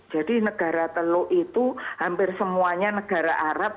jadi negara telo itu hampir semuanya negara arab